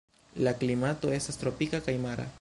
La klimato estas tropika kaj mara.